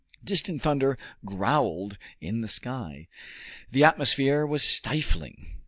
Distant thunder growled in the sky. The atmosphere was stifling.